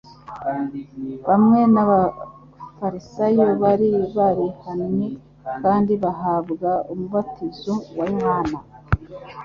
Bamwe mu bafarisayo bari barihannye kandi bahabwa umubatizo wa Yohana,